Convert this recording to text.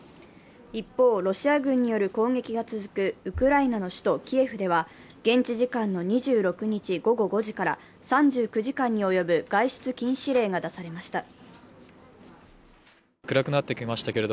一方、ロシア軍による攻撃が続くウクライナの首都キエフでは現地時間の２６日午後５時から３９時間に及ぶ外出禁止令が出されました。